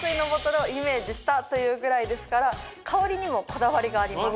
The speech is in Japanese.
したというぐらいですから香りにもこだわりがあります。